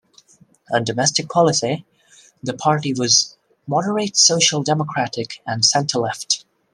On domestic policy, the party was moderate social-democratic and centre-left.